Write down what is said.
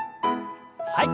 はい。